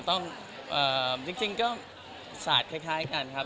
ก็เพลงมันก็จะต้องจริงก็สาดคล้ายกันครับ